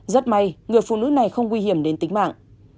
rất may người phụ nữ này không nguy hiểm đến tính mạng